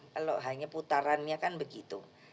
kalau hanya putarannya kan begitu